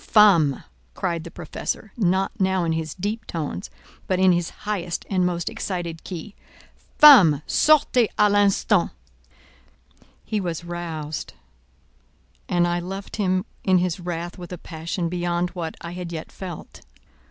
"Femme!" cried the Professor, not now in his deep tones, but in his highest and most excited key, "Femme! sortez à l'instant!" He was roused, and I loved him in his wrath with a passion beyond what I had yet felt.